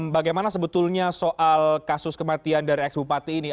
bagaimana sebetulnya soal kasus kematian dari ex bupati ini